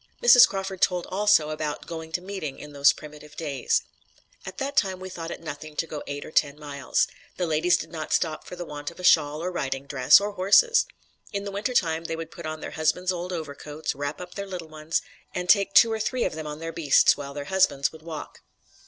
Mrs. Crawford told also about "going to meeting" in those primitive days: "At that time we thought it nothing to go eight or ten miles. The ladies did not stop for the want of a shawl or riding dress, or horses. In the winter time they would put on their husbands' old overcoats, wrap up their little ones, and take two or three of them on their beasts, while their husbands would walk.